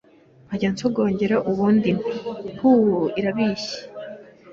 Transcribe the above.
nkajya nsogongera, ubundi nti :"Puu irabishye